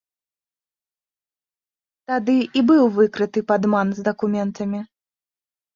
Тады і быў выкрыты падман з дакументамі.